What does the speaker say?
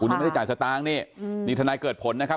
ยังไม่ได้จ่ายสตางค์นี่นี่ทนายเกิดผลนะครับ